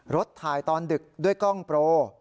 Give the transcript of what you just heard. รถถ่ายตอนดึกด้วยกล้องโปร